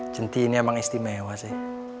centini emang istimewa sih